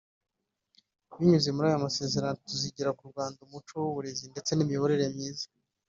Binyuze muri aya masezerano tuzigira k’u Rwanda umuco w’uburezi ndetse n’imiyoborere myiza